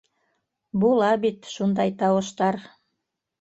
Була бит шундай тауыштар.